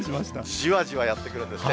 じわじわやって来るんですね。